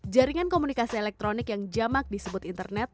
jaringan komunikasi elektronik yang jamak disebut internet